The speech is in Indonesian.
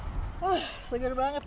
wah seger banget